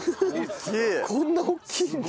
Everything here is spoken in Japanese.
こんな大きいんだ。